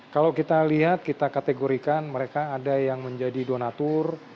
kalau kita lihat kita kategorikan mereka ada yang menjadi donatur